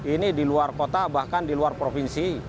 ini di luar kota bahkan di luar provinsi